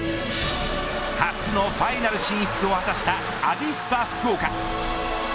初のファイナル進出を果たしたアビスパ福岡。